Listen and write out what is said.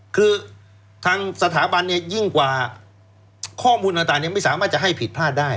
คือทางสถาบันเนี่ยยิ่งกว่าข้อมูลต่างยังไม่สามารถจะให้ผิดพลาดได้